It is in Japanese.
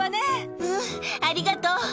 うん、ありがとう。